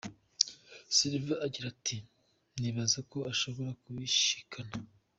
Silva agira ati:"Nibaza ko ashobora kubishikana.